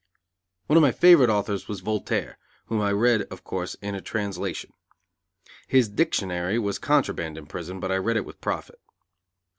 One of my favorite authors was Voltaire, whom I read, of course, in a translation. His "Dictionary" was contraband in prison but I read it with profit.